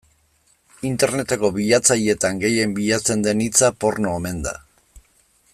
Interneteko bilatzaileetan gehien bilatzen den hitza porno omen da.